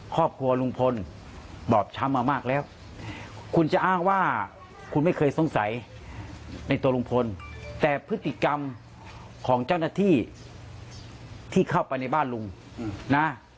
ครอบครัวลุงพลบอบช้ำมามากแล้วคุณจะอ้างว่าคุณไม่เคยสงสัยในตัวลุงพลแต่พฤติกรรมของเจ้าหน้าที่ที่เข้าไปในบ้านลุงนะ